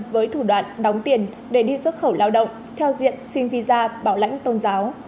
với thủ đoạn đóng tiền để đi xuất khẩu lao động theo diện xin visa bảo lãnh tôn giáo